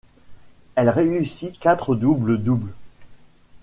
Elle réussit quatre double-double.